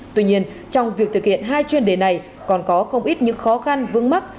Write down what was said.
tuy nhiên trong việc thực hiện hai chuyên đề này còn có không ít những khó khăn vướng mắt